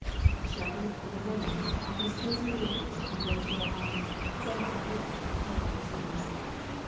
A shepherd, and a woman, are His chosen vehicles to convey to our minds some idea of His care for sinners.